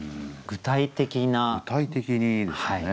具体的にですよね。